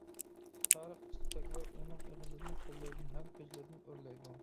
تارىخ: ئىس-تۈتەكلەر ئۇنىڭ ئېغىزىدىن، قوللىرىدىن ھەم كۆزلىرىدىن ئۆرلەيدۇ.